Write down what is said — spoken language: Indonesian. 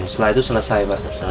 setelah itu selesai